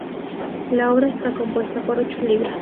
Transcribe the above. La obra está compuesta por ocho libros.